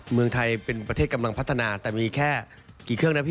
เมืองไทยเป็นประเทศกำลังพัฒนาแต่มีแค่กี่เครื่องนะพี่